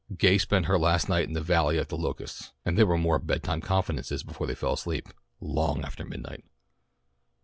Gay spent her last night in the Valley at The Locusts, and there were more bed time confidences before they fell asleep, long after midnight.